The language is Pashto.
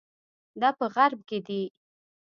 دا په غرب کې دي.